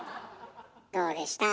どうでした？